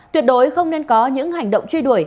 tuyệt đối không nên có những hành động truy đuổi